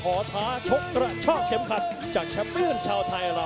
ขอท้าชกกระช่องเก็มขัดจากชะมือนชาวไทยเรา